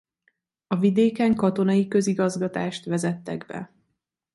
A vidéken katonai közigazgatást vezettek be.